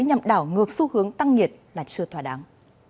nhằm đảo ngược xu hướng tăng nhiệt là chưa thỏa đáng